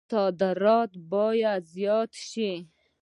صادرات باید زیات شي